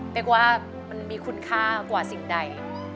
กว่ามันมีคุณค่ากว่าสิ่งใด